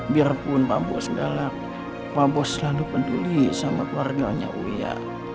biarpun pak bos galak pak bos selalu peduli sama keluarganya uya